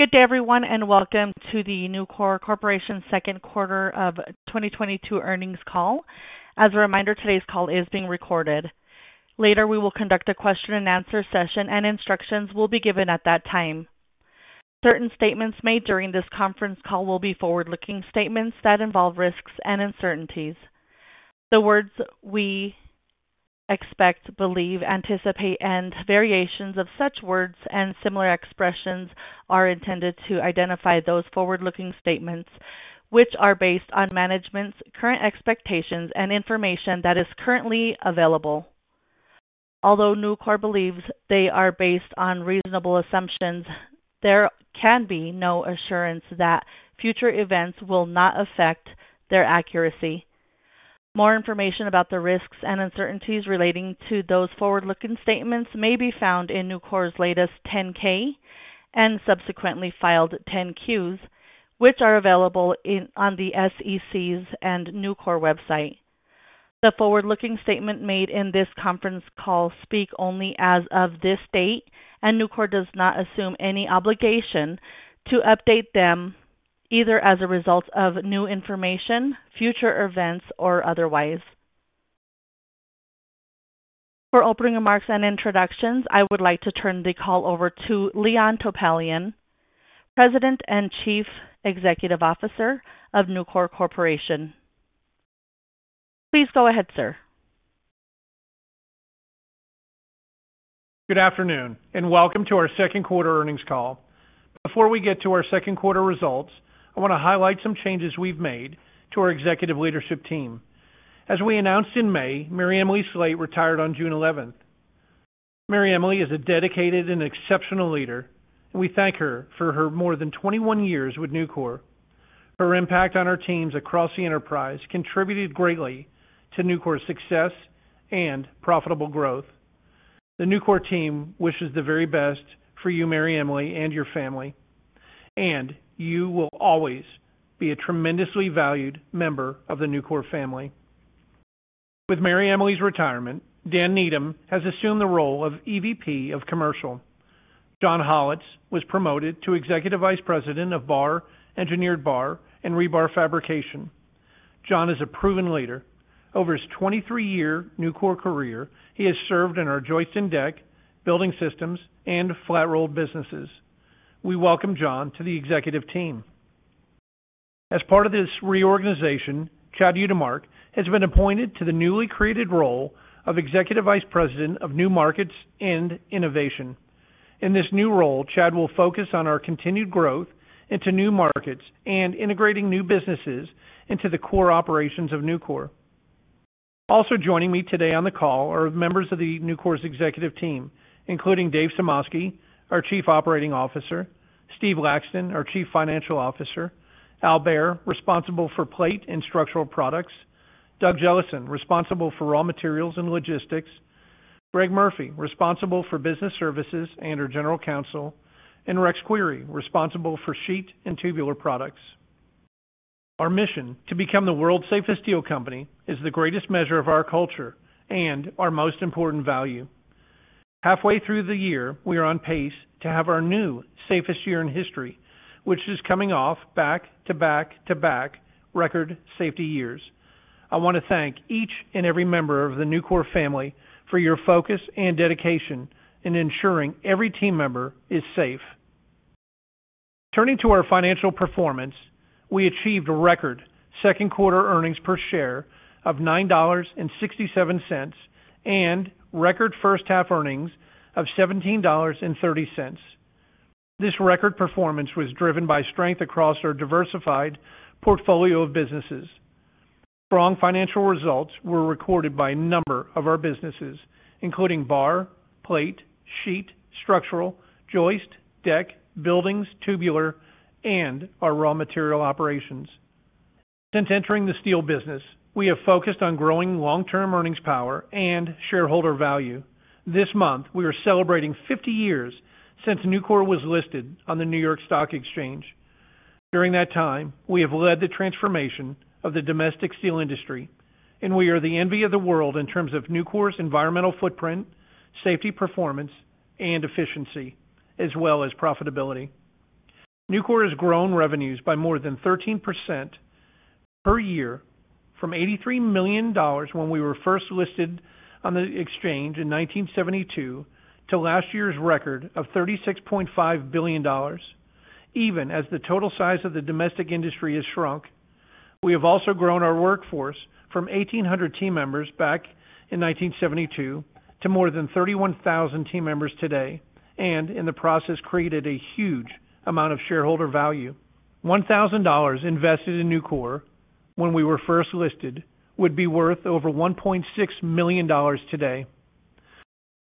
Good day everyone, and welcome to the Nucor Corporation second quarter of 2022 earnings call. As a reminder, today's call is being recorded. Later, we will conduct a question-and-answer session, and instructions will be given at that time. Certain statements made during this conference call will be forward-looking statements that involve risks and uncertainties. The words "we expect, believe, anticipate," and variations of such words and similar expressions are intended to identify those forward-looking statements, which are based on management's current expectations and information that is currently available. Although Nucor believes they are based on reasonable assumptions, there can be no assurance that future events will not affect their accuracy. More information about the risks and uncertainties relating to those forward-looking statements may be found in Nucor's latest 10-K and subsequently filed 10-Qs, which are available on the SEC's and Nucor's website. The forward-looking statements made in this conference call speak only as of this date, and Nucor does not assume any obligation to update them, either as a result of new information, future events, or otherwise. For opening remarks and introductions, I would like to turn the call over to Leon Topalian, President and Chief Executive Officer of Nucor Corporation. Please go ahead, sir. Good afternoon, and welcome to our second quarter earnings call. Before we get to our second quarter results, I wanna highlight some changes we've made to our executive leadership team. As we announced in May, MaryEmily Slate retired on June eleventh. MaryEmily is a dedicated and exceptional leader, and we thank her for her more than 21 years with Nucor. Her impact on our teams across the enterprise contributed greatly to Nucor's success and profitable growth. The Nucor team wishes the very best for you, MaryEmily, and your family, and you will always be a tremendously valued member of the Nucor family. With MaryEmily's retirement, Dan Needham has assumed the role of EVP of Commercial. John Hollatz was promoted to Executive Vice President of Bar, Engineered Bar, and Rebar Fabrication. John is a proven leader. Over his 23-year Nucor career, he has served in our joist and deck, building systems, and flat-rolled businesses. We welcome John to the executive team. As part of this reorganization, Chad Utermark has been appointed to the newly created role of Executive Vice President of New Markets and Innovation. In this new role, Chad will focus on our continued growth into new markets and integrating new businesses into the core operations of Nucor. Also joining me today on the call are members of Nucor's executive team, including Dave Sumoski, our Chief Operating Officer, Steve Laxton, our Chief Financial Officer, Al Behr, responsible for plate and structural products, Doug Jellison, responsible for raw materials and logistics, Greg Murphy, responsible for business services and our general counsel, and Rex Query, responsible for sheet and tubular products. Our mission to become the world's safest steel company is the greatest measure of our culture and our most important value. Halfway through the year, we are on pace to have our new safest year in history, which is coming off back-to-back record safety years. I wanna thank each and every member of the Nucor family for your focus and dedication in ensuring every team member is safe. Turning to our financial performance, we achieved a record second quarter earnings per share of $9.67, and record first half earnings of $17.30. This record performance was driven by strength across our diversified portfolio of businesses. Strong financial results were recorded by a number of our businesses, including bar, plate, sheet, structural, joist, deck, buildings, tubular, and our raw material operations. Since entering the steel business, we have focused on growing long-term earnings power and shareholder value. This month, we are celebrating 50 years since Nucor was listed on the New York Stock Exchange. During that time, we have led the transformation of the domestic steel industry, and we are the envy of the world in terms of Nucor's environmental footprint, safety performance, and efficiency, as well as profitability. Nucor has grown revenues by more than 13% per year from $83 million when we were first listed on the exchange in 1972 to last year's record of $36.5 billion, even as the total size of the domestic industry has shrunk. We have also grown our workforce from 1,800 team members back in 1972 to more than 31,000 team members today, and in the process, created a huge amount of shareholder value. $1,000 invested in Nucor when we were first listed would be worth over $1.6 million today.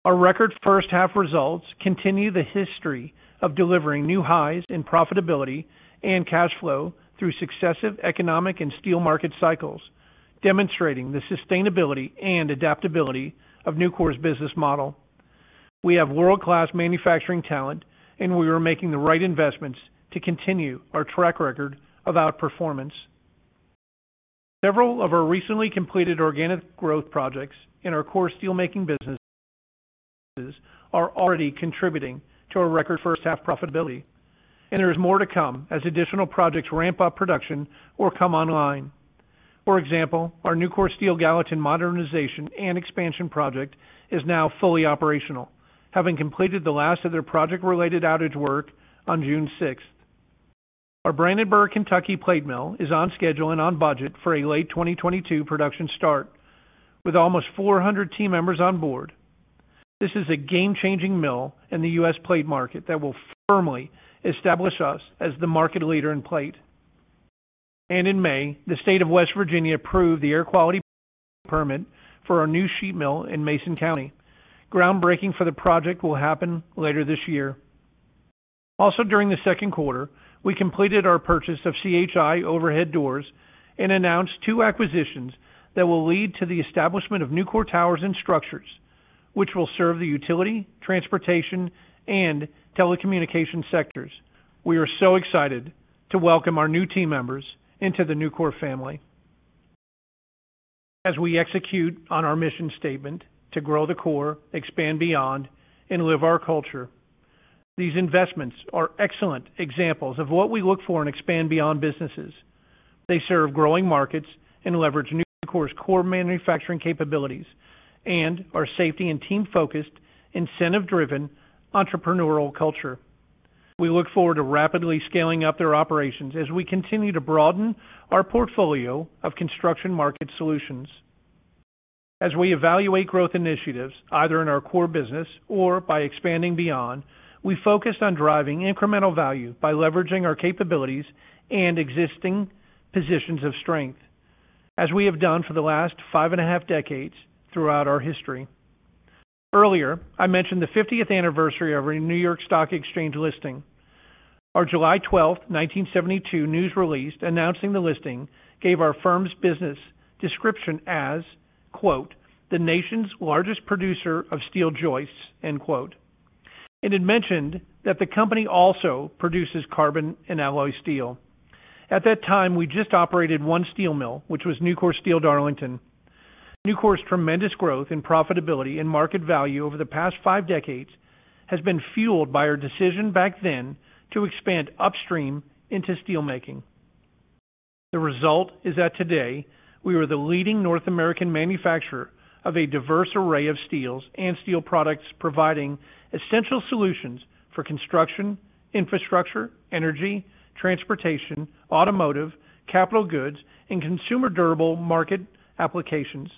Our record first half results continue the history of delivering new highs in profitability and cash flow through successive economic and steel market cycles, demonstrating the sustainability and adaptability of Nucor's business model. We have world-class manufacturing talent, and we are making the right investments to continue our track record of outperformance. Several of our recently completed organic growth projects in our core steel making businesses are already contributing to a record first half profitability, and there is more to come as additional projects ramp up production or come online. For example, our Nucor Steel Gallatin modernization and expansion project is now fully operational, having completed the last of their project-related outage work on June sixth. Our Brandenburg, Kentucky plate mill is on schedule and on budget for a late 2022 production start with almost 400 team members on board. This is a game-changing mill in the U.S. plate market that will firmly establish us as the market leader in plate. In May, the State of West Virginia approved the air quality permit for our new sheet mill in Mason County. Groundbreaking for the project will happen later this year. Also during the second quarter, we completed our purchase of C.H.I. Overhead Doors and announced two acquisitions that will lead to the establishment of Nucor Towers & Structures, which will serve the utility, transportation, and telecommunication sectors. We are so excited to welcome our new team members into the Nucor family. As we execute on our mission statement to grow the core, expand beyond, and live our culture, these investments are excellent examples of what we look for in Expand Beyond businesses. They serve growing markets and leverage Nucor's core manufacturing capabilities and our safety and team-focused, incentive-driven entrepreneurial culture. We look forward to rapidly scaling up their operations as we continue to broaden our portfolio of construction market solutions. As we evaluate growth initiatives, either in our core business or by expanding beyond, we focus on driving incremental value by leveraging our capabilities and existing positions of strength, as we have done for the last five and a half decades throughout our history. Earlier, I mentioned the fiftieth anniversary of our New York Stock Exchange listing. Our July 12th, 1972 news release announcing the listing gave our firm's business description as, quote, "The nation's largest producer of steel joists", end quote. It had mentioned that the company also produces carbon and alloy steel. At that time, we just operated one steel mill, which was Nucor Steel Darlington. Nucor's tremendous growth in profitability and market value over the past five decades has been fueled by our decision back then to expand upstream into steel making. The result is that today we are the leading North American manufacturer of a diverse array of steels and steel products, providing essential solutions for construction, infrastructure, energy, transportation, automotive, capital goods, and consumer durable market applications.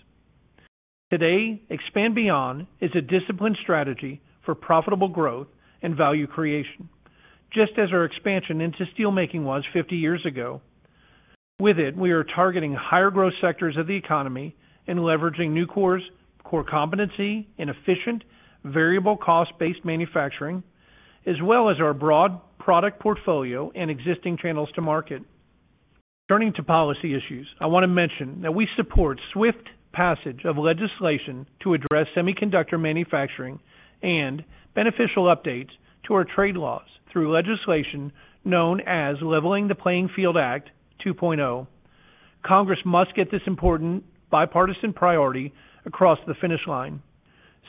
Today, Expand Beyond is a disciplined strategy for profitable growth and value creation, just as our expansion into steel making was 50 years ago. With it, we are targeting higher growth sectors of the economy and leveraging Nucor's core competency in efficient, variable cost-based manufacturing, as well as our broad product portfolio and existing channels to market. Turning to policy issues, I want to mention that we support swift passage of legislation to address semiconductor manufacturing and beneficial updates to our trade laws through legislation known as Leveling the Playing Field Act 2.0. Congress must get this important bipartisan priority across the finish line.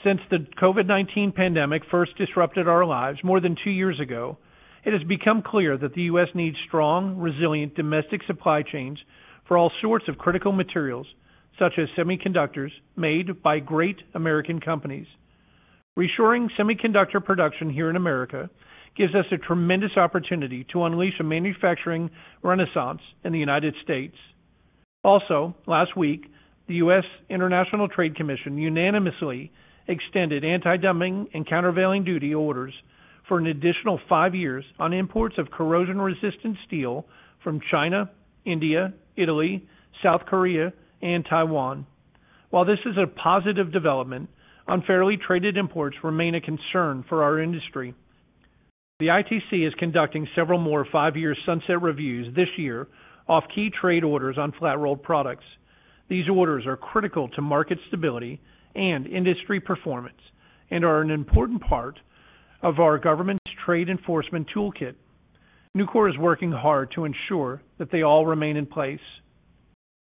Since the COVID-19 pandemic first disrupted our lives more than two years ago, it has become clear that the U.S. needs strong, resilient domestic supply chains for all sorts of critical materials, such as semiconductors made by great American companies. Reshoring semiconductor production here in America gives us a tremendous opportunity to unleash a manufacturing renaissance in the United States. Also, last week, the United States International Trade Commission unanimously extended anti-dumping and countervailing duty orders for an additional five years on imports of corrosion-resistant steel from China, India, Italy, South Korea, and Taiwan. While this is a positive development, unfairly traded imports remain a concern for our industry. The ITC is conducting several more five-year sunset reviews this year of key trade orders on flat-rolled products. These orders are critical to market stability and industry performance and are an important part of our government's trade enforcement toolkit. Nucor is working hard to ensure that they all remain in place.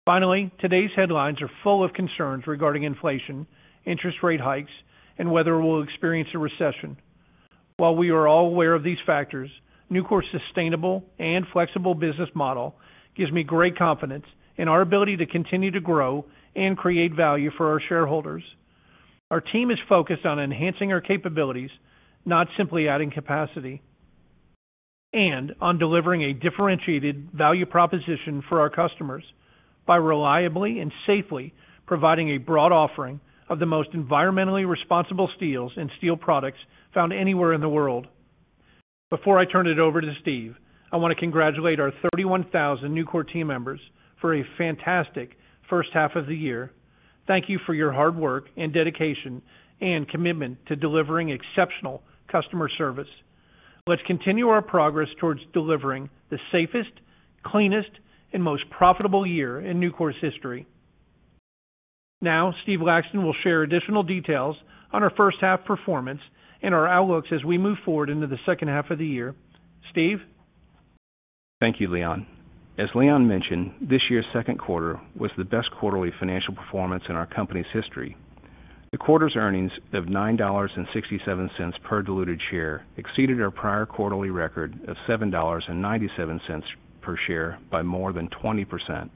Finally, today's headlines are full of concerns regarding inflation, interest rate hikes, and whether we'll experience a recession. While we are all aware of these factors, Nucor's sustainable and flexible business model gives me great confidence in our ability to continue to grow and create value for our shareholders. Our team is focused on enhancing our capabilities, not simply adding capacity, and on delivering a differentiated value proposition for our customers by reliably and safely providing a broad offering of the most environmentally responsible steels and steel products found anywhere in the world. Before I turn it over to Steve, I want to congratulate our 31,000 Nucor team members for a fantastic first half of the year. Thank you for your hard work and dedication and commitment to delivering exceptional customer service. Let's continue our progress towards delivering the safest, cleanest, and most profitable year in Nucor's history. Now Steve Laxton will share additional details on our first half performance and our outlooks as we move forward into the second half of the year. Steve? Thank you, Leon. As Leon mentioned, this year's second quarter was the best quarterly financial performance in our company's history. The quarter's earnings of $9.67 per diluted share exceeded our prior quarterly record of $7.97 per share by more than 20%.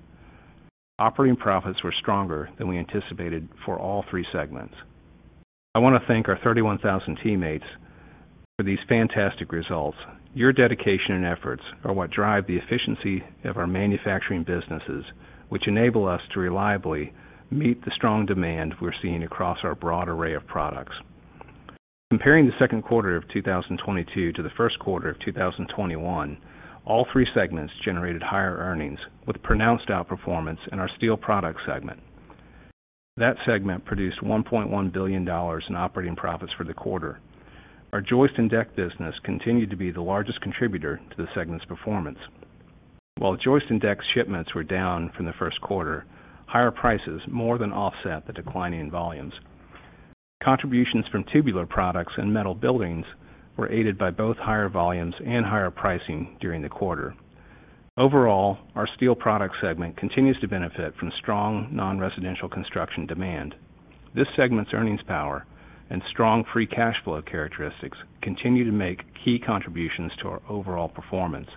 Operating profits were stronger than we anticipated for all three segments. I wanna thank our 31,000 teammates for these fantastic results. Your dedication and efforts are what drive the efficiency of our manufacturing businesses, which enable us to reliably meet the strong demand we're seeing across our broad array of products. Comparing the second quarter of 2022 to the first quarter of 2021, all three segments generated higher earnings, with pronounced outperformance in our steel products segment. That segment produced $1.1 billion in operating profits for the quarter. Our joist and deck business continued to be the largest contributor to the segment's performance. While joist and deck shipments were down from the first quarter, higher prices more than offset the decline in volumes. Contributions from tubular products and metal buildings were aided by both higher volumes and higher pricing during the quarter. Overall, our steel products segment continues to benefit from strong non-residential construction demand. This segment's earnings power and strong free cash flow characteristics continue to make key contributions to our overall performance.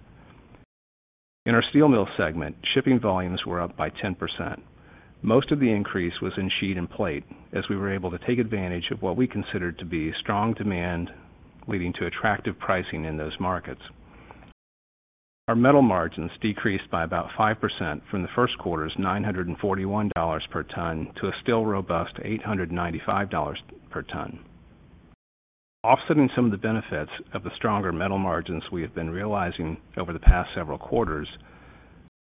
In our steel mill segment, shipping volumes were up by 10%. Most of the increase was in sheet and plate, as we were able to take advantage of what we consider to be strong demand, leading to attractive pricing in those markets. Our metal margins decreased by about 5% from the first quarter's $941 per ton to a still robust $895 per ton. Offsetting some of the benefits of the stronger metal margins we have been realizing over the past several quarters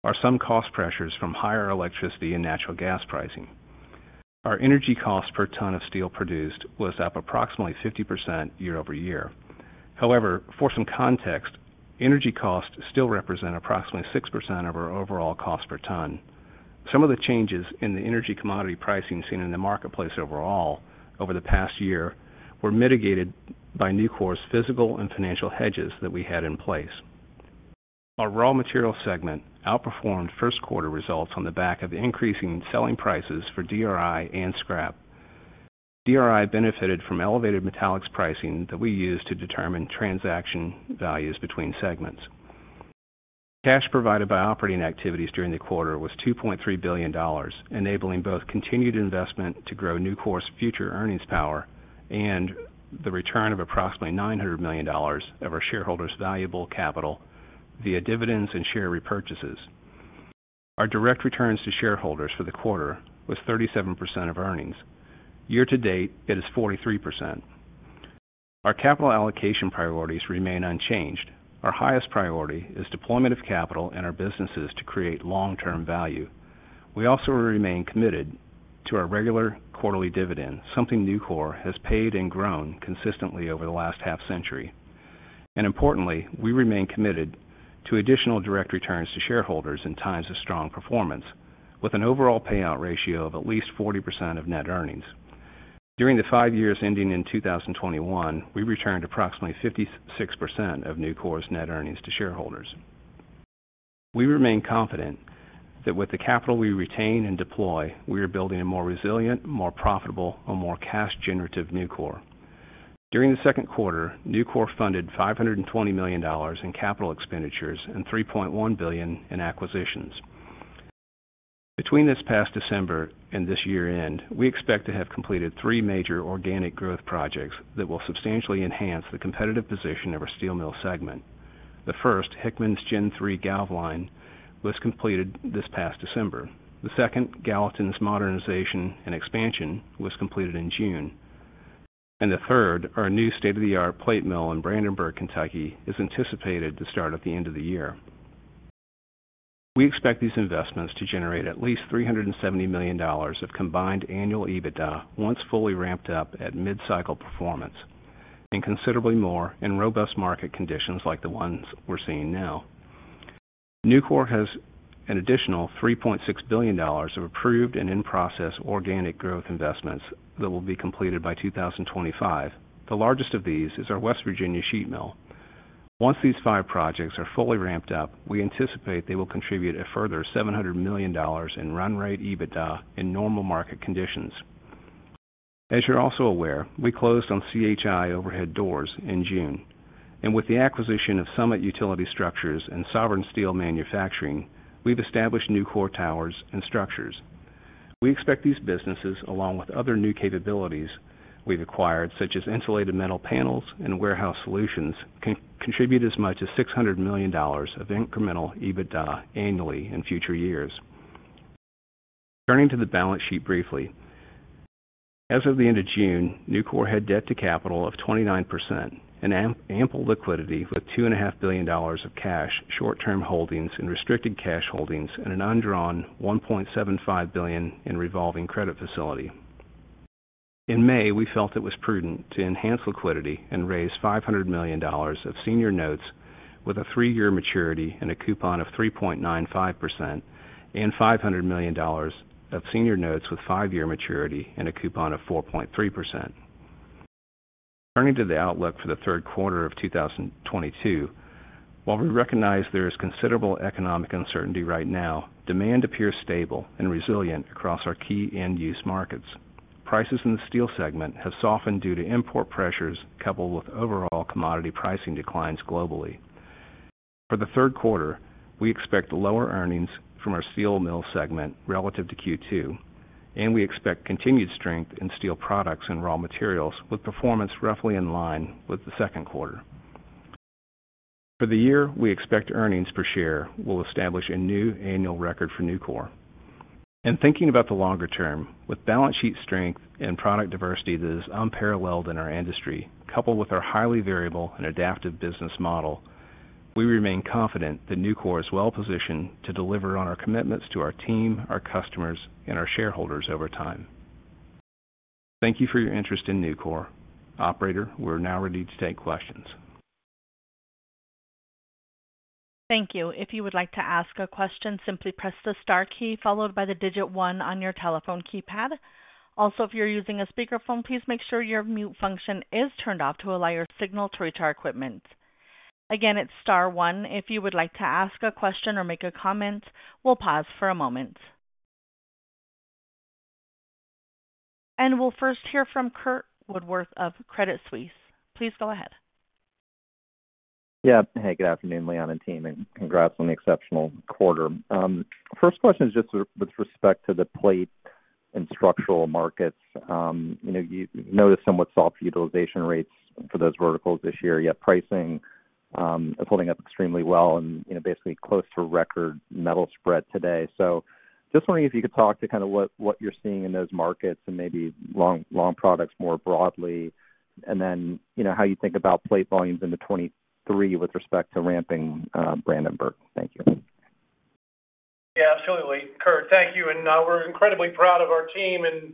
are some cost pressures from higher electricity and natural gas pricing. Our energy cost per ton of steel produced was up approximately 50% year-over-year. However, for some context, energy costs still represent approximately 6% of our overall cost per ton. Some of the changes in the energy commodity pricing seen in the marketplace overall over the past year were mitigated by Nucor's physical and financial hedges that we had in place. Our raw materials segment outperformed first quarter results on the back of increasing selling prices for DRI and scrap. DRI benefited from elevated metallics pricing that we use to determine transaction values between segments. Cash provided by operating activities during the quarter was $2.3 billion, enabling both continued investment to grow Nucor's future earnings power and the return of approximately $900 million of our shareholders' valuable capital via dividends and share repurchases. Our direct returns to shareholders for the quarter was 37% of earnings. Year to date, it is 43%. Our capital allocation priorities remain unchanged. Our highest priority is deployment of capital in our businesses to create long-term value. We also remain committed to our regular quarterly dividend, something Nucor has paid and grown consistently over the last half-century. Importantly, we remain committed to additional direct returns to shareholders in times of strong performance, with an overall payout ratio of at least 40% of net earnings. During the five years ending in 2021, we returned approximately 56% of Nucor's net earnings to shareholders. We remain confident that with the capital we retain and deploy, we are building a more resilient, more profitable, and more cash-generative Nucor. During the second quarter, Nucor funded $520 million in capital expenditures and $3.1 billion in acquisitions. Between this past December and this year-end, we expect to have completed three major organic growth projects that will substantially enhance the competitive position of our steel mill segment. The first, Hickman's Gen-3 galv line, was completed this past December. The second, Gallatin's modernization and expansion, was completed in June. The third, our new state-of-the-art plate mill in Brandenburg, Kentucky, is anticipated to start at the end of the year. We expect these investments to generate at least $370 million of combined annual EBITDA once fully ramped up at mid-cycle performance, and considerably more in robust market conditions like the ones we're seeing now. Nucor has an additional $3.6 billion of approved and in-process organic growth investments that will be completed by 2025. The largest of these is our West Virginia sheet mill. Once these five projects are fully ramped up, we anticipate they will contribute a further $700 million in run rate EBITDA in normal market conditions. As you're also aware, we closed on C.H.I. Overhead Doors in June. With the acquisition of Summit Utility Structures and Sovereign Steel Manufacturing, we've established Nucor Towers & Structures. We expect these businesses, along with other new capabilities we've acquired, such as insulated metal panels and warehouse solutions, can contribute as much as $600 million of incremental EBITDA annually in future years. Turning to the balance sheet briefly, as of the end of June, Nucor had debt to capital of 29% and ample liquidity with $2.5 billion of cash, short-term holdings, and restricted cash holdings, and an undrawn $1.75 billion in revolving credit facility. In May, we felt it was prudent to enhance liquidity and raise $500 million of senior notes with a three-year maturity and a coupon of 3.95% and $500 million of senior notes with five-year maturity and a coupon of 4.3%. Turning to the outlook for the third quarter of 2022, while we recognize there is considerable economic uncertainty right now, demand appears stable and resilient across our key end use markets. Prices in the steel segment have softened due to import pressures coupled with overall commodity pricing declines globally. For the third quarter, we expect lower earnings from our steel mill segment relative to Q2, and we expect continued strength in steel products and raw materials, with performance roughly in line with the second quarter. For the year, we expect earnings per share will establish a new annual record for Nucor. Thinking about the longer term, with balance sheet strength and product diversity that is unparalleled in our industry, coupled with our highly variable and adaptive business model, we remain confident that Nucor is well-positioned to deliver on our commitments to our team, our customers, and our shareholders over time. Thank you for your interest in Nucor. Operator, we're now ready to take questions. Thank you. If you would like to ask a question, simply press the star key followed by the digit one on your telephone keypad. Also, if you're using a speakerphone, please make sure your mute function is turned off to allow your signal to reach our equipment. Again, it's star one if you would like to ask a question or make a comment. We'll pause for a moment. We'll first hear from Curt Woodworth of Credit Suisse. Please go ahead. Yeah. Hey, good afternoon, Leon and team, and congrats on the exceptional quarter. First question is just with respect to the plate and structural markets. You know, you noticed somewhat soft utilization rates for those verticals this year, yet pricing is holding up extremely well and, you know, basically close to record metal spread today. Just wondering if you could talk to kind of what you're seeing in those markets and maybe long products more broadly. You know, how you think about plate volumes into 2023 with respect to ramping, Brandenburg. Thank you. Yeah, absolutely, Curt. Thank you. We're incredibly proud of our team in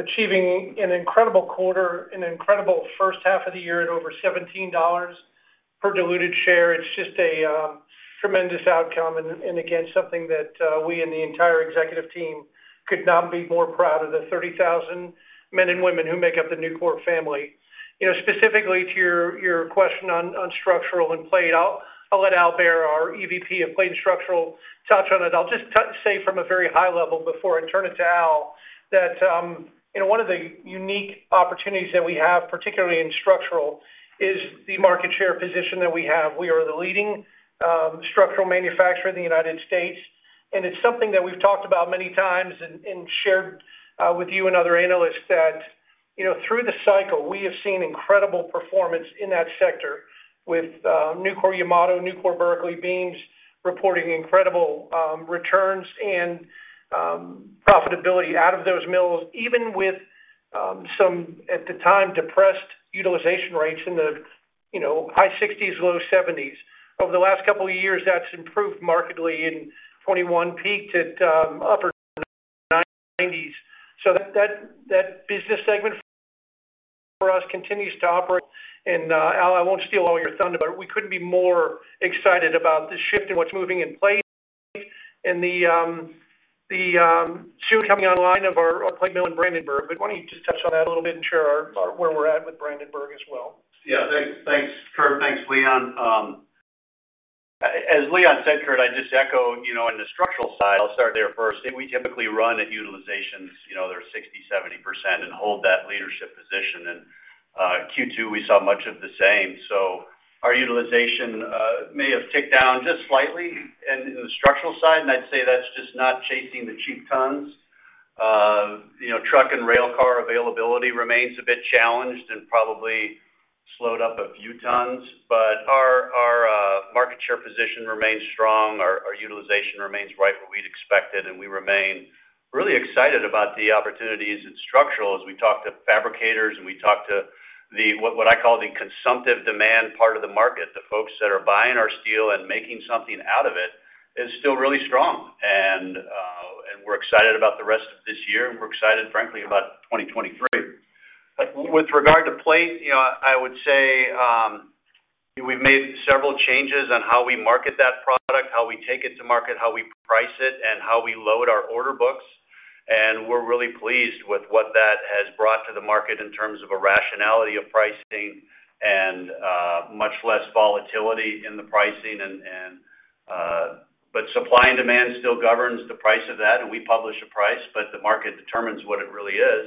achieving an incredible quarter, an incredible first half of the year at over $17 per diluted share. It's just a tremendous outcome and again, something that we and the entire executive team could not be more proud of the 30,000 men and women who make up the Nucor family. You know, specifically to your question on structural and plate, I'll let Al Behr, our EVP of Plate and Structural, touch on it. I'll just say from a very high level before I turn it to Al, that you know, one of the unique opportunities that we have, particularly in structural, is the market share position that we have. We are the leading structural manufacturer in the United States, and it's something that we've talked about many times and shared with you and other analysts that, you know, through the cycle, we have seen incredible performance in that sector with Nucor-Yamato, Nucor Steel Berkeley beams reporting incredible returns and profitability out of those mills, even with some, at the time, depressed utilization rates in the, you know, high 60s%-low 70s%. Over the last couple of years, that's improved markedly in 2021, peaked at upper 90s%. That business segment for us continues to operate. Al, I won't steal all your thunder, but we couldn't be more excited about the shift in what's moving in place and the soon coming online of our plate mill in Brandenburg. Why don't you just touch on that a little bit and share where we're at with Brandenburg as well. Yeah. Thanks. Thanks, Curt. Thanks, Leon. As Leon said, Curt, I just echo, you know, in the structural side, I'll start there first. We typically run at utilizations, you know, they're 60-70% and hold that leadership position. Q2, we saw much of the same. Our utilization may have ticked down just slightly in the structural side, and I'd say that's just not chasing the cheap tons. You know, truck and rail car availability remains a bit challenged and probably slowed up a few tons. Our market share position remains strong. Our utilization remains right where we'd expect it, and we remain really excited about the opportunities in structural. As we talk to fabricators and we talk to what I call the consumptive demand part of the market, the folks that are buying our steel and making something out of it, is still really strong. We're excited about the rest of this year, and we're excited, frankly, about 2023. With regard to plate, you know, I would say, we've made several changes on how we market that product, how we take it to market, how we price it, and how we load our order books. We're really pleased with what that has brought to the market in terms of a rationality of pricing and much less volatility in the pricing. Supply and demand still governs the price of that, and we publish a price, but the market determines what it really is,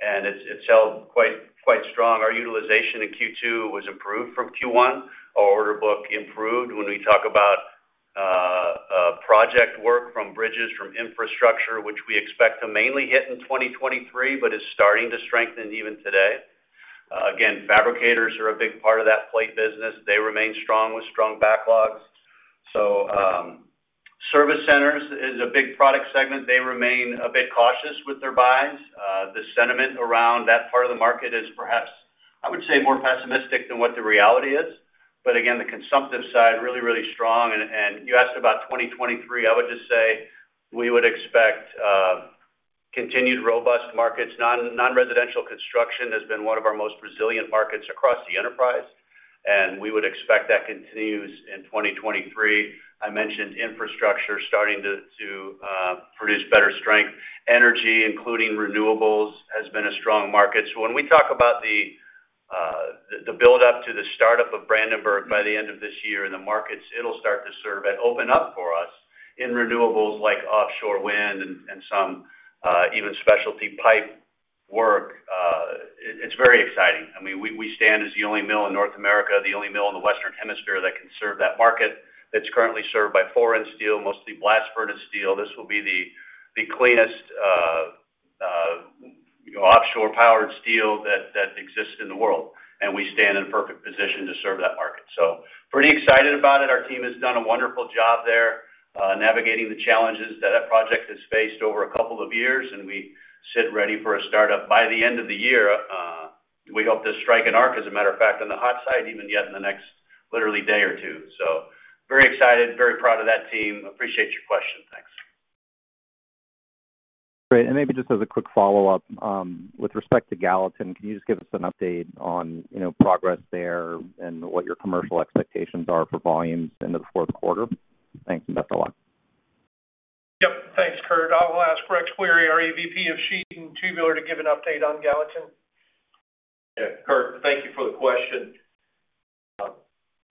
and it's held quite strong. Our utilization in Q2 was improved from Q1. Our order book improved when we talk about project work from bridges, from infrastructure, which we expect to mainly hit in 2023, but is starting to strengthen even today. Again, fabricators are a big part of that plate business. They remain strong with strong backlogs. Service centers is a big product segment. They remain a bit cautious with their buys. The sentiment around that part of the market is perhaps I would say more pessimistic than what the reality is. Again, the consumptive side really strong. You asked about 2023. I would just say we would expect continued robust markets. Non-residential construction has been one of our most resilient markets across the enterprise, and we would expect that continues in 2023. I mentioned infrastructure starting to produce better strength. Energy, including renewables, has been a strong market. When we talk about the build-up to the start-up of Brandenburg by the end of this year and the markets it'll start to serve and open up for us in renewables like offshore wind and some even specialty pipe work, it's very exciting. I mean, we stand as the only mill in North America, the only mill in the Western Hemisphere that can serve that market that's currently served by foreign steel, mostly blast furnace steel. This will be the cleanest, you know, offshore-powered steel that exists in the world, and we stand in perfect position to serve that market. Pretty excited about it. Our team has done a wonderful job there, navigating the challenges that project has faced over a couple of years, and we sit ready for a start-up by the end of the year. We hope to strike an arc as a matter of fact on the hot side even yet in the next literally day or two. Very excited, very proud of that team. Appreciate your question. Thanks. Great. Maybe just as a quick follow-up, with respect to Gallatin, can you just give us an update on progress there and what your commercial expectations are for volumes into the fourth quarter? Thanks in advance a lot. Yep. Thanks, Curt. I'll ask Rex Query, our EVP of Sheet and Tubular, to give an update on Gallatin. Yeah. Curt, thank you for the question.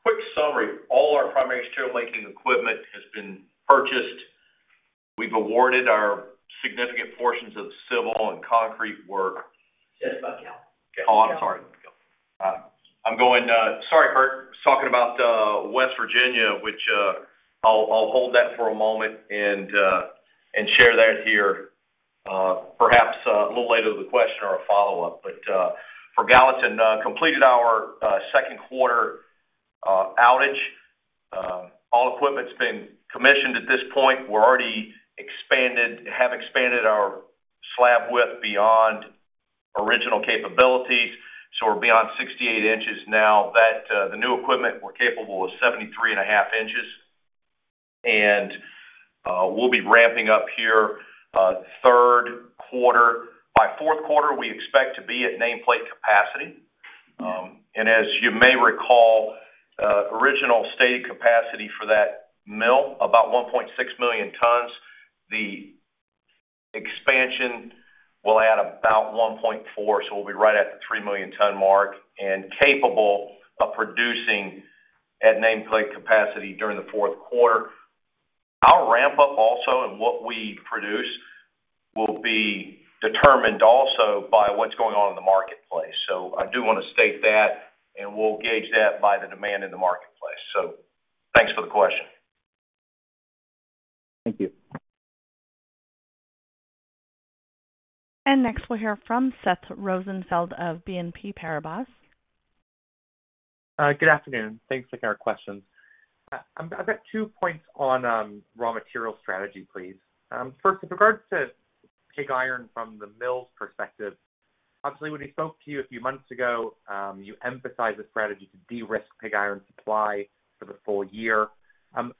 Quick summary, all our primary steelmaking equipment has been purchased. We've awarded our significant portions of civil and concrete work. Just about Gallatin. Oh, I'm sorry. Sorry, Curt. I was talking about West Virginia, which I'll hold that for a moment and share that here, perhaps a little later with a question or a follow-up. For Gallatin, completed our second quarter outage. All equipment's been commissioned at this point. We have expanded our slab width beyond original capabilities, so we're beyond 68 inches now. That, the new equipment, we're capable of 73.5 inches. We'll be ramping up here third quarter. By fourth quarter, we expect to be at nameplate capacity. As you may recall, original stated capacity for that mill, about 1.6 million tons. The expansion will add about 1.4, so we'll be right at the three million ton mark and capable of producing at nameplate capacity during the fourth quarter. Our ramp up also and what we produce will be determined also by what's going on in the marketplace. I do wanna state that, and we'll gauge that by the demand in the marketplace. Thanks for the question. Thank you. Next, we'll hear from Seth Rosenfeld of BNP Paribas. Good afternoon. Thanks for taking our questions. I've got two points on raw material strategy, please. First, with regards to pig iron from the mill's perspective, obviously, when we spoke to you a few months ago, you emphasized the strategy to de-risk pig iron supply for the full year.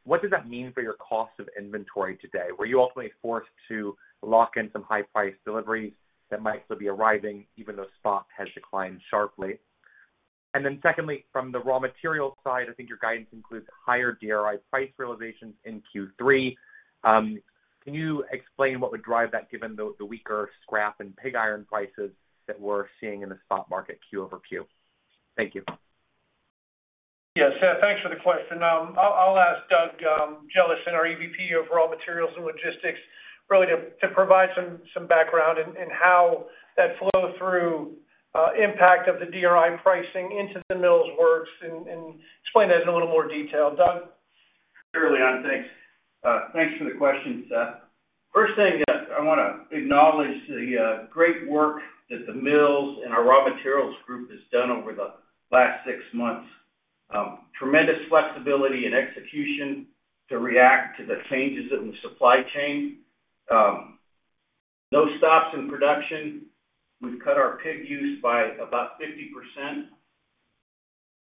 What does that mean for your cost of inventory today? Were you ultimately forced to lock in some high-priced deliveries that might still be arriving even though spot has declined sharply? Secondly, from the raw material side, I think your guidance includes higher DRI price realizations in Q3. Can you explain what would drive that given the weaker scrap and pig iron prices that we're seeing in the spot market QoQ? Thank you. Yeah. Seth, thanks for the question. I'll ask Doug Jellison, our EVP of Raw Materials and Logistics, really to provide some background in how that flow-through impact of the DRI pricing into the mills works and explain that in a little more detail. Doug? Sure, Leon. Thanks. Thanks for the question, Seth. First thing, I wanna acknowledge the great work that the mills and our raw materials group has done over the last six months. Tremendous flexibility and execution to react to the changes in the supply chain. No stops in production. We've cut our pig use by about 50%,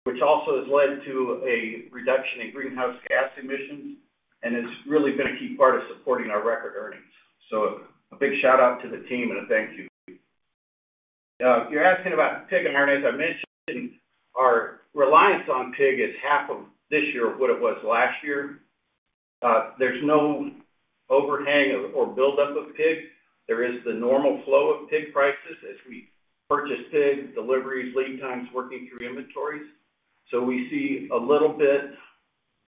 which also has led to a reduction in greenhouse gas emissions and has really been a key part of supporting our record earnings. A big shout-out to the team and a thank you. You're asking about pig iron. As I mentioned, our reliance on pig is half of this year what it was last year. There's no overhang of or buildup of pig. There is the normal flow of pig prices as we purchase pig deliveries, lead times, working through inventories. We see a little bit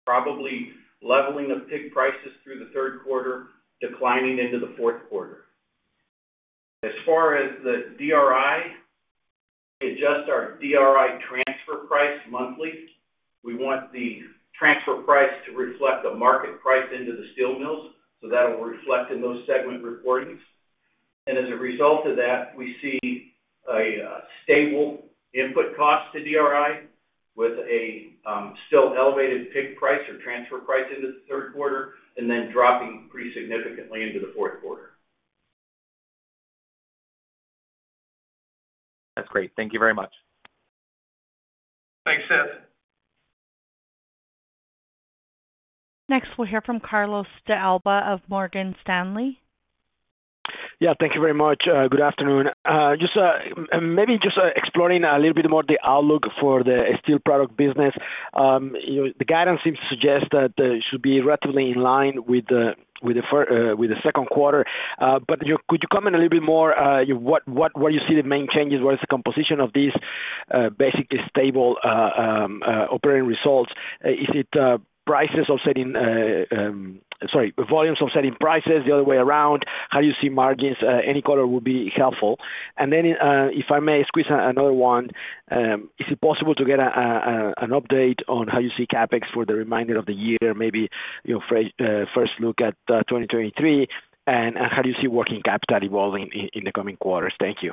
probably leveling of pig prices through the third quarter, declining into the fourth quarter. As far as the DRI, we adjust our DRI transfer price monthly. We want the transfer price to reflect the market price into the steel mills, so that'll reflect in those segment reportings. As a result of that, we see a stable input cost to DRI with a still elevated pig price or transfer price into the third quarter and then dropping pretty significantly into the fourth quarter. That's great. Thank you very much. Thanks, Seth. Next, we'll hear from Carlos de Alba of Morgan Stanley. Yeah, thank you very much. Good afternoon. Maybe just exploring a little bit more the outlook for the steel product business. You know, the guidance seems to suggest that there should be relatively in line with the second quarter. Could you comment a little bit more, what where you see the main changes? What is the composition of these basically stable operating results? Is it prices offsetting. Sorry, volumes offsetting prices the other way around? How you see margins? Any color would be helpful. If I may squeeze another one, is it possible to get an update on how you see CapEx for the remainder of the year? Maybe, you know, first look at 2023, and how do you see working capital evolving in the coming quarters? Thank you.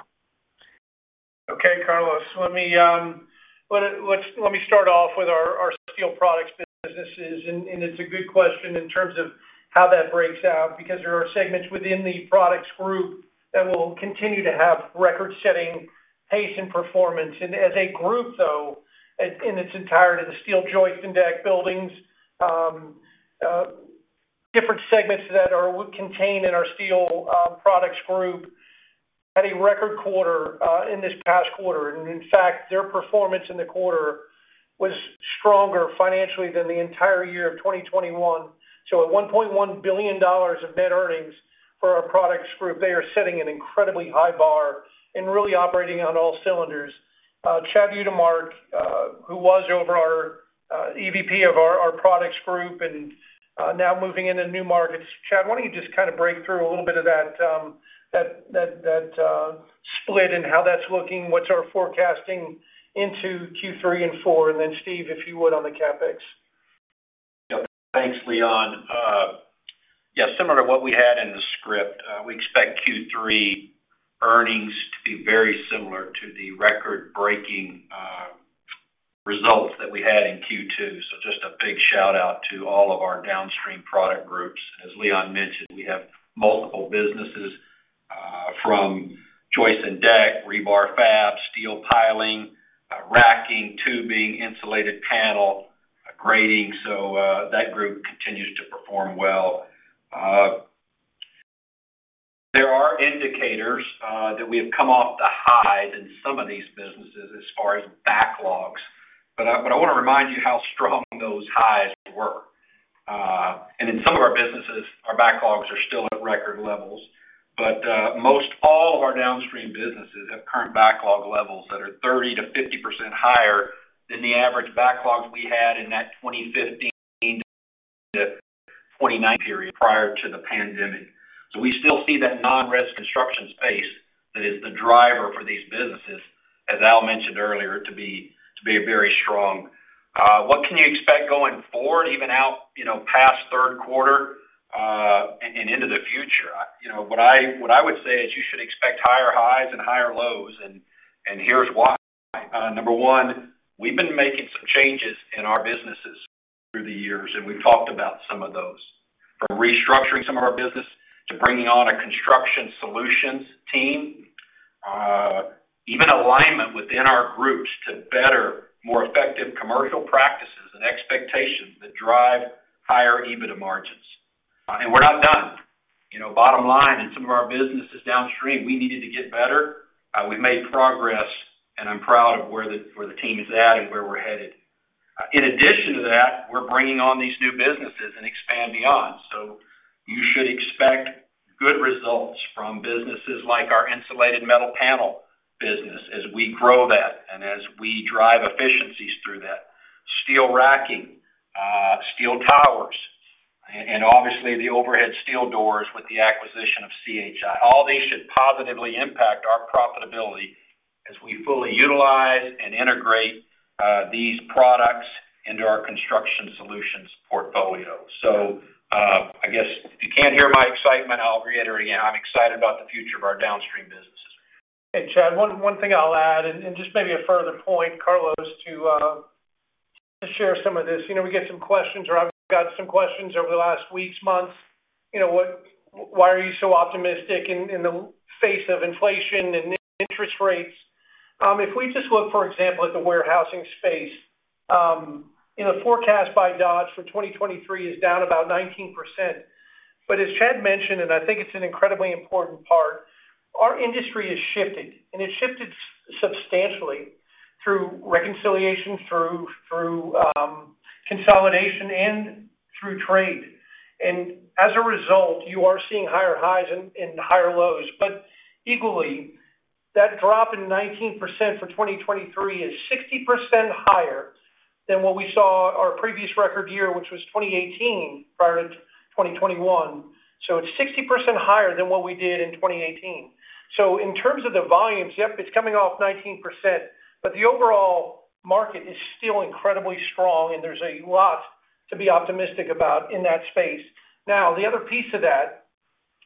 Okay, Carlos, let me start off with our steel products businesses. It's a good question in terms of how that breaks out, because there are segments within the products group that will continue to have record-setting pace and performance. As a group, though, in its entirety, the steel joist and deck buildings, different segments contained in our steel products group, had a record quarter in this past quarter. In fact, their performance in the quarter was stronger financially than the entire year of 2021. At $1.1 billion of net earnings for our products group, they are setting an incredibly high bar and really operating on all cylinders. Chad Utermark, who was our EVP of our products group and now moving into new markets. Chad, why don't you just kind of break through a little bit of that split and how that's looking? What's our forecasting into Q3 and Q4? Steve, if you would, on the CapEx. Yeah. Thanks, Leon. Yeah, similar to what we had in the script, we expect Q3 earnings to be very similar to the record-breaking results that we had in Q2. Just a big shout out to all of our downstream product groups. As Leon mentioned, we have multiple businesses from joist and deck, rebar fab, steel piling, racking, tubing, insulated panel, grating. That group continues to perform well. There are indicators that we have come off the highs in some of these businesses as far as backlogs, but I want to remind you how strong those highs were. In some of our businesses, our backlogs are still at record levels. Most all of our downstream businesses have current backlog levels that are 30%-50% higher than the average backlogs we had in that 2015-2019 period prior to the pandemic. We still see that non-residential construction space that is the driver for these businesses, as Al mentioned earlier, to be very strong. What can you expect going forward, even into, you know, past third quarter, and into the future? You know, what I would say is you should expect higher highs and higher lows, and here's why. Number one, we've been making some changes in our businesses through the years, and we've talked about some of those. From restructuring some of our business to bringing on a construction solutions team, even alignment within our groups to better, more effective commercial practices and expectations that drive higher EBITDA margins. We're not done. You know, bottom line, in some of our businesses downstream, we needed to get better. We've made progress, and I'm proud of where the team is at and where we're headed. In addition to that, we're bringing on these new businesses and expand beyond. You should expect good results from businesses like our insulated metal panel business as we grow that and as we drive efficiencies through that. Steel racking, steel towers, and obviously the overhead steel doors with the acquisition of C.H.I. All these should positively impact our profitability as we fully utilize and integrate these products into our construction solutions portfolio. I guess if you can't hear my excitement, I'll reiterate again, I'm excited about the future of our downstream businesses. Hey, Chad, one thing I'll add, and just maybe a further point, Carlos, to share some of this. You know, we get some questions, or I've got some questions over the last weeks, months. You know, why are you so optimistic in the face of inflation and interest rates? If we just look, for example, at the warehousing space, you know, forecast by Dodge for 2023 is down about 19%. As Chad mentioned, and I think it's an incredibly important part, our industry has shifted, and it shifted substantially through reconciliation, through consolidation, and through trade. As a result, you are seeing higher highs and higher lows. Equally, that drop in 19% for 2023 is 60% higher than what we saw our previous record year, which was 2018 prior to 2021. It's 60% higher than what we did in 2018. In terms of the volumes, yep, it's coming off 19%, but the overall market is still incredibly strong, and there's a lot to be optimistic about in that space. Now, the other piece of that,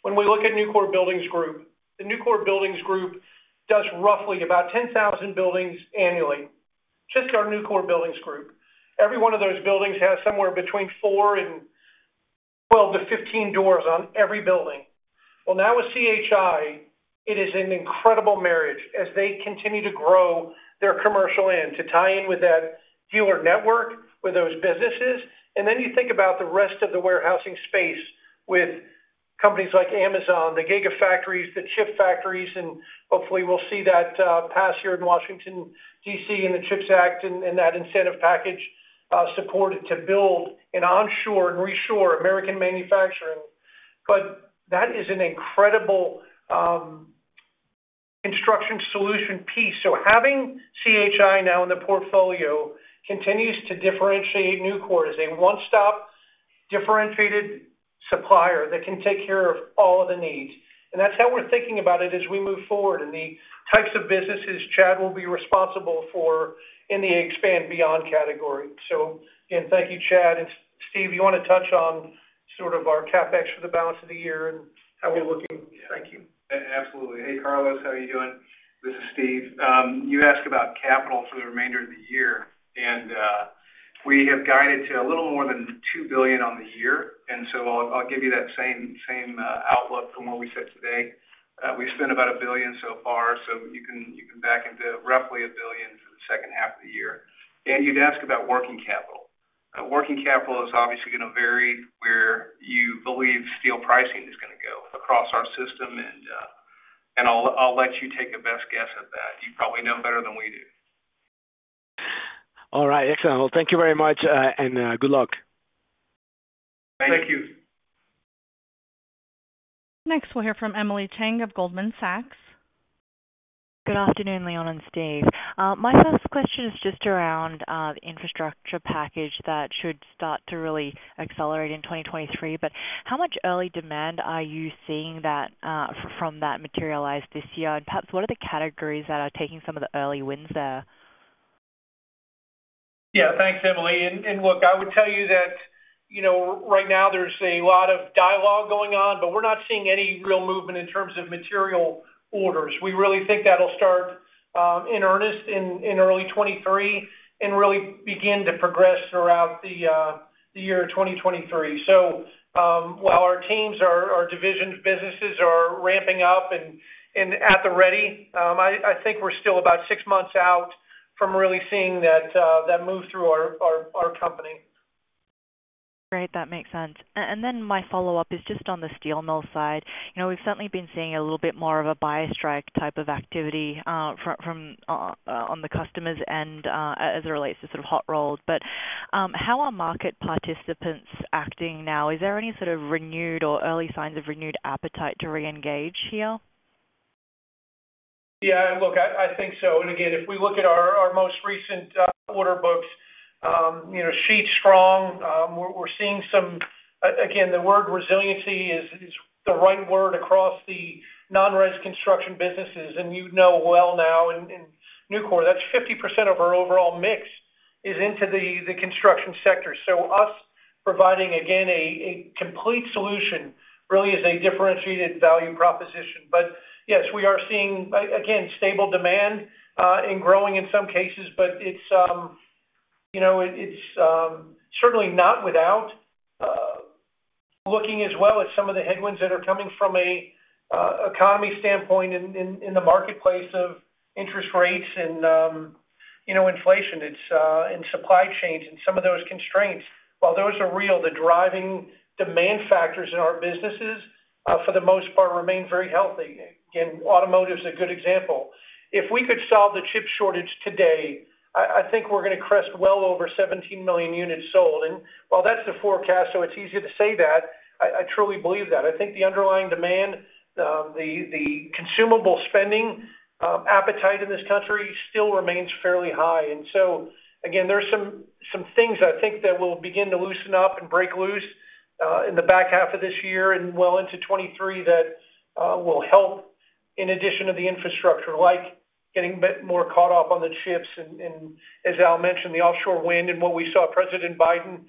when we look at Nucor Buildings Group, the Nucor Buildings Group does roughly about 10,000 buildings annually. Just our Nucor Buildings Group. Every one of those buildings has somewhere between four and 12 to 15 doors on every building. Well, now with C.H.I, it is an incredible marriage as they continue to grow their commercial end to tie in with that dealer network, with those businesses. Then you think about the rest of the warehousing space with companies like Amazon, the gigafactories, the chip factories, and hopefully we'll see that pass here in Washington, D.C., and the CHIPS and Science Act and that incentive package supported to build and onshore and reshore American manufacturing. That is an incredible construction solution piece. Having C.H.I. now in the portfolio continues to differentiate Nucor as a one-stop differentiated supplier that can take care of all of the needs. That's how we're thinking about it as we move forward and the types of businesses Chad will be responsible for in the expand beyond category. Again, thank you, Chad. Steve, you wanna touch on sort of our CapEx for the balance of the year and how we're looking? Thank you. Absolutely. Hey, Carlos, how are you doing? This is Steve. You asked about capital for the remainder of the year, we have guided to a little more than $2 billion for the year. I'll give you that same outlook from what we said today. We've spent about $1 billion so far, so you can back into roughly $1 billion for the second half of the year. You'd ask about working capital. Working capital is obviously gonna vary where you believe steel pricing is gonna go across our system. I'll let you take the best guess at that. You probably know better than we do. All right, excellent. Well, thank you very much, and good luck. Thank you. Next, we'll hear from Emily Chieng of Goldman Sachs. Good afternoon, Leon and Steve. My first question is just around the infrastructure package that should start to really accelerate in 2023. How much early demand are you seeing from that materialize this year? Perhaps what are the categories that are taking some of the early wins there? Yeah, thanks, Emily. Look, I would tell you that, you know, right now there's a lot of dialogue going on, but we're not seeing any real movement in terms of material orders. We really think that'll start in earnest in early 2023 and really begin to progress throughout the year 2023. While our teams, our divisions, businesses are ramping up and at the ready, I think we're still about six months out from really seeing that move through our company. Great. That makes sense. My follow-up is just on the steel mill side. You know, we've certainly been seeing a little bit more of a buyers' strike type of activity from on the customers' end as it relates to sort of hot-rolled. How are market participants acting now? Is there any sort of renewed or early signs of renewed appetite to reengage here? Yeah, look, I think so. Again, if we look at our most recent order books, you know, sheet strong, we're seeing some. Again, the word resiliency is the right word across the non-res construction businesses. You know, well, now in Nucor, that's 50% of our overall mix is into the construction sector. Us providing again a complete solution really is a differentiated value proposition. Yes, we are seeing again stable demand and growing in some cases, but it's, you know, it's certainly not without looking as well at some of the headwinds that are coming from an economy standpoint in the marketplace of interest rates and, you know, inflation. It's in supply chains and some of those constraints. While those are real, the driving demand factors in our businesses, for the most part, remain very healthy. Automotive is a good example. If we could solve the chip shortage today, I think we're gonna crest well over 17 million units sold. While that's the forecast, so it's easier to say that, I truly believe that. I think the underlying demand, the consumer spending, appetite in this country still remains fairly high. Again, there's some things I think that will begin to loosen up and break loose, in the back half of this year and well into 2023 that will help in addition to the infrastructure, like getting a bit more caught up on the chips. as Al mentioned, the offshore wind and what we saw President Biden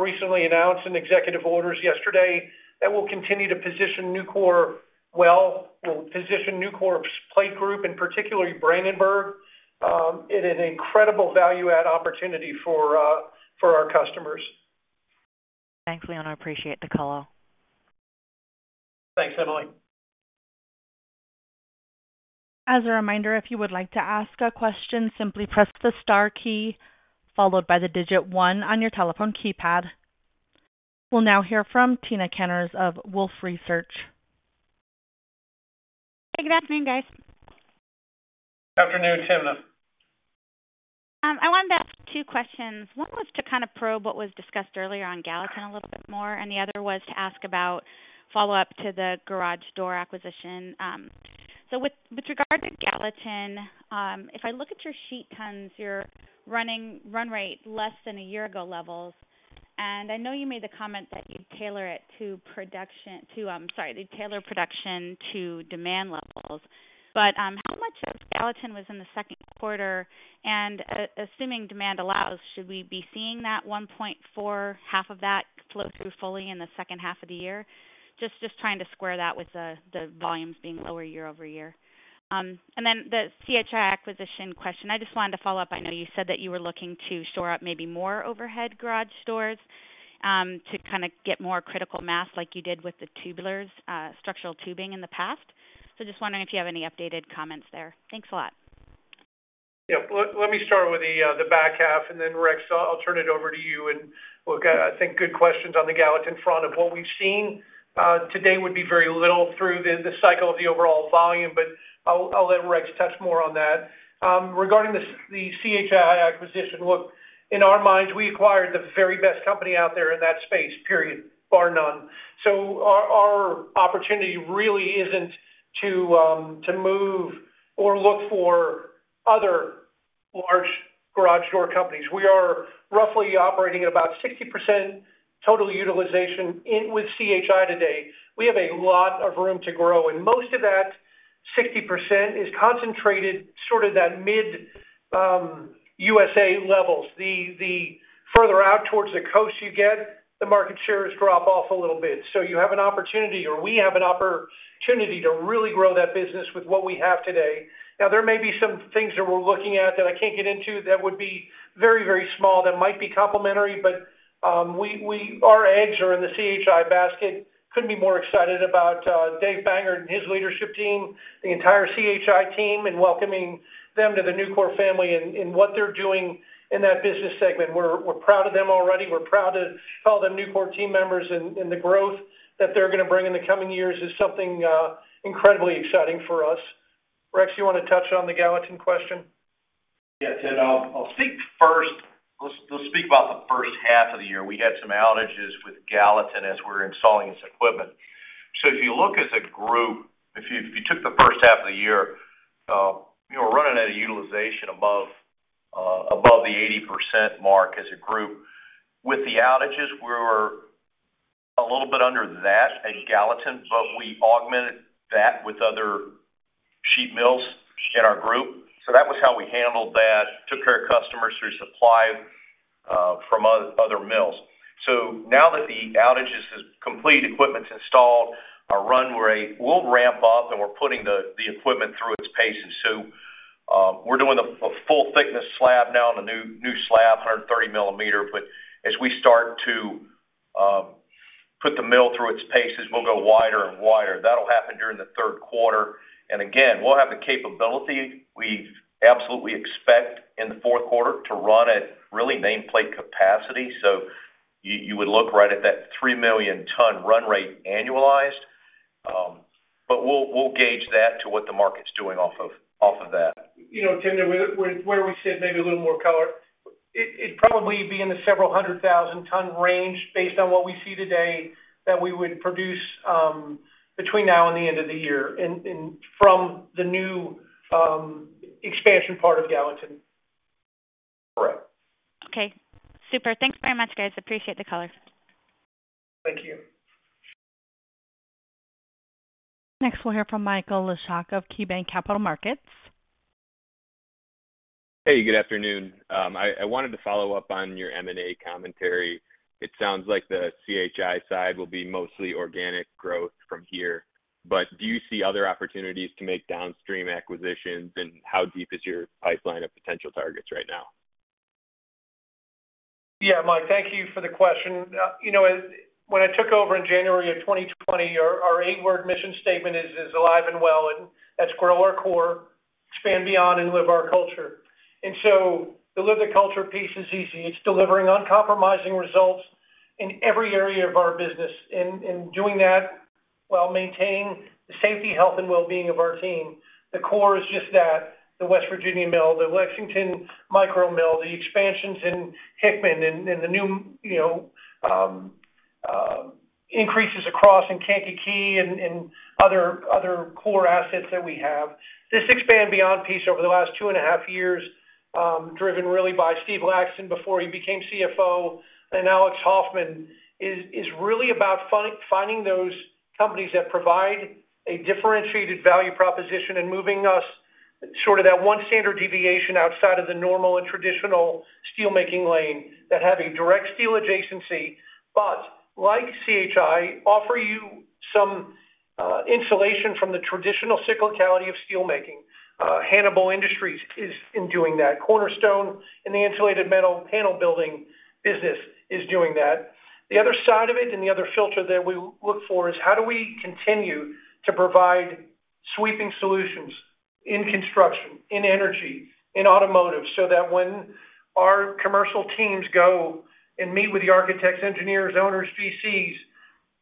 recently announce in executive orders yesterday, that will continue to position Nucor well, will position Nucor's plate group and particularly Brandenburg in an incredible value add opportunity for our customers. Thanks, Leon. I appreciate the call. Thanks, Emily. As a reminder, if you would like to ask a question, simply press the star key followed by the digit one on your telephone keypad. We'll now hear from Timna Tanners of Wolfe Research. Hey, good afternoon, guys. Afternoon, Timna. I wanted to ask two questions. One was to kind of probe what was discussed earlier on Gallatin a little bit more, and the other was to ask about follow-up to the garage door acquisition. So with regard to Gallatin, if I look at your sheet tons, you're running run rate less than a year ago levels. I know you made the comment that you'd tailor production to demand levels. How much of Gallatin was in the second quarter? Assuming demand allows, should we be seeing that 1.4, half of that flow through fully in the second half of the year? Just trying to square that with the volumes being lower year-over-year. Then the C.H.I. acquisition question. I just wanted to follow up. I know you said that you were looking to shore up maybe more overhead garage doors. To kind of get more critical mass like you did with the tubulars, structural tubing in the past. Just wondering if you have any updated comments there. Thanks a lot. Yeah. Let me start with the back half, and then Rex, I'll turn it over to you. Look, I think good questions on the Gallatin front of what we've seen today would be very little through the cycle of the overall volume, but I'll let Rex touch more on that. Regarding the C.H.I. acquisition, look, in our minds, we acquired the very best company out there in that space, period, bar none. Our opportunity really isn't to move or look for other large garage door companies. We are roughly operating about 60% total utilization with C.H.I. today. We have a lot of room to grow, and most of that 60% is concentrated sort of that mid USA levels. The further out towards the coast you get, the market shares drop off a little bit. You have an opportunity, or we have an opportunity to really grow that business with what we have today. Now, there may be some things that we're looking at that I can't get into that would be very, very small, that might be complementary, but our eggs are in the C.H.I basket. Couldn't be more excited about Dave Sumoski and his leadership team, the entire C.H.I team, in welcoming them to the Nucor family and what they're doing in that business segment. We're proud of them already. We're proud of all the Nucor team members and the growth that they're gonna bring in the coming years is something incredibly exciting for us. Rex, you wanna touch on the Gallatin question? Yeah. Timna, I'll speak first. Let's speak about the first half of the year. We had some outages with Gallatin as we were installing its equipment. If you look as a group, if you took the first half of the year, we were running at a utilization above the 80% mark as a group. With the outages, we were a little bit under that at Gallatin, but we augmented that with other sheet mills in our group. That was how we handled that, took care of customers through supply from other mills. Now that the outage is complete, equipment's installed, our run rate will ramp up, and we're putting the equipment through its paces. We're doing a full thickness slab now on the new slab, 130mm. As we start to put the mill through its paces, we'll go wider and wider. That'll happen during the third quarter. Again, we'll have the capability. We absolutely expect in the fourth quarter to run at really nameplate capacity. You would look right at that three million ton run rate annualized. We'll gauge that to what the market's doing off of that. You know, Timna, where we sit, maybe a little more color. It'd probably be in the several hundred thousand ton range based on what we see today that we would produce between now and the end of the year and from the new expansion part of Gallatin. Correct. Okay. Super. Thanks very much, guys. Appreciate the color. Thank you. Next, we'll hear from Michael Leshock of KeyBanc Capital Markets. Hey, good afternoon. I wanted to follow up on your M&A commentary. It sounds like the C.H.I. side will be mostly organic growth from here, but do you see other opportunities to make downstream acquisitions, and how deep is your pipeline of potential targets right now? Yeah, Mike, thank you for the question. You know, when I took over in January of 2020, our eight-word mission statement is alive and well, and that's grow our core, expand beyond and live our culture. The live our culture piece is easy. It's delivering uncompromising results in every area of our business and doing that while maintaining the safety, health, and well-being of our team. The core is just that, the West Virginia mill, the Lexington micro mill, the expansions in Hickman and the new, you know, increases across in Kankakee and other core assets that we have. This expansion beyond piece over the last two and a half years, driven really by Steve Laxton before he became CFO, and Alex Hoffman is really about finding those companies that provide a differentiated value proposition and moving us sort of that one standard deviation outside of the normal and traditional steelmaking lane that have a direct steel adjacency. Like C.H.I., offer you some insulation from the traditional cyclicality of steelmaking. Hannibal Industries is indeed doing that. Cornerstone in the insulated metal panel building business is doing that. The other side of it, and the other filter that we look for is how do we continue to provide sweeping solutions in construction, in energy, in automotive, so that when our commercial teams go and meet with the architects, engineers, owners, VCs,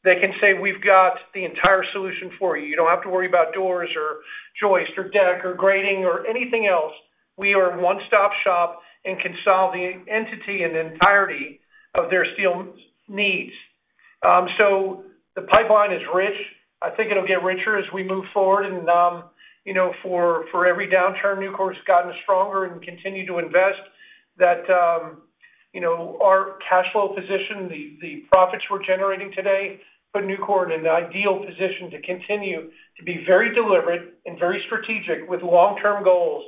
they can say, "We've got the entire solution for you. You don't have to worry about doors or joists or deck or grading or anything else. We are a one-stop shop and can solve the entity and entirety of their steel needs." So the pipeline is rich. I think it'll get richer as we move forward. You know, for every downturn, Nucor's gotten stronger and continue to invest that, you know, our cash flow position, the profits we're generating today, put Nucor in an ideal position to continue to be very deliberate and very strategic with long-term goals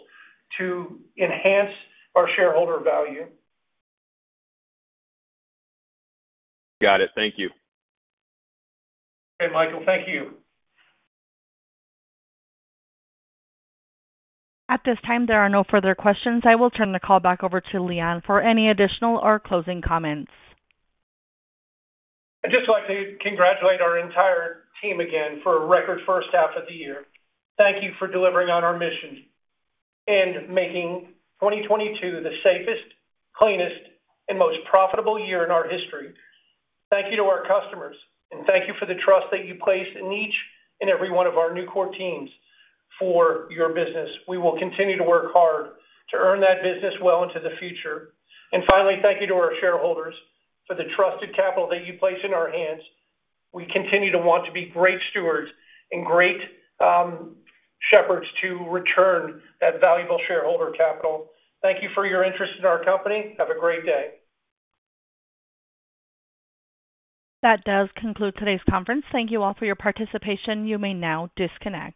to enhance our shareholder value. Got it. Thank you. Okay, Michael. Thank you. At this time, there are no further questions. I will turn the call back over to Leon for any additional or closing comments. I'd just like to congratulate our entire team again for a record first half of the year. Thank you for delivering on our mission and making 2022 the safest, cleanest, and most profitable year in our history. Thank you to our customers, and thank you for the trust that you placed in each and every one of our Nucor teams for your business. We will continue to work hard to earn that business well into the future. Finally, thank you to our shareholders for the trusted capital that you place in our hands. We continue to want to be great stewards and great, shepherds to return that valuable shareholder capital. Thank you for your interest in our company. Have a great day. That does conclude today's conference. Thank you all for your participation. You may now disconnect.